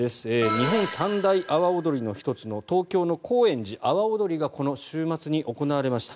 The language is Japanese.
日本三大阿波おどりの１つの東京高円寺阿波おどりがこの週末に行われました。